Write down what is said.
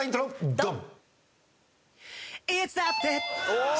ドン！